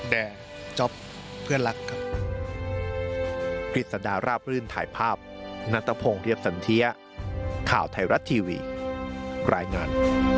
แก่จ๊อปเพื่อนรักครับ